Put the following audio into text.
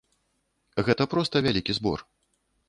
Гэта проста вялікі збор.